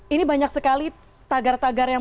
ini banyak sekali tagar tagar yang